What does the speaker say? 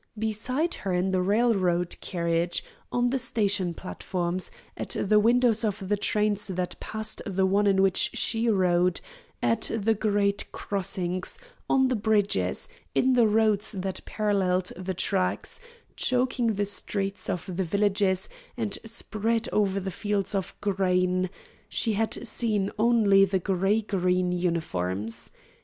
Beside her in the railroad carriage, on the station platforms, at the windows of the trains that passed the one in which she rode, at the grade crossings, on the bridges, in the roads that paralleled the tracks, choking the streets of the villages and spread over the fields of grain, she had seen only the gray green uniforms.